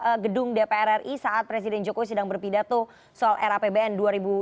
di depan gedung dpr ri saat presiden jokowi sedang berpidato sol era pbn dua ribu dua puluh satu